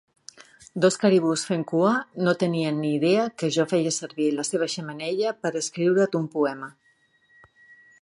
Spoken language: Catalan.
Dos caribús fent cua no tenien ni idea que jo feia servir la seva xemeneia per escriure't un poema.